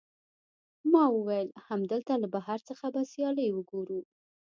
ما وویل، همدلته له بهر څخه به سیالۍ وګورو.